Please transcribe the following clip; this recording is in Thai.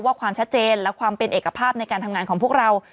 ความชัดเจนและความเป็นเอกภาพในการทำงานของพวกเรา